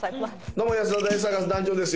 どうも安田大サーカス団長です。